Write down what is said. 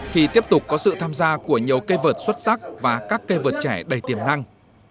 khi tiếp tục có sự tham gia của nhiều cây vượt xuất sắc và các cây vượt trẻ đầy tiềm năng